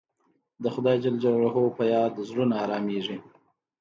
د خدای په یاد زړونه ارامېږي.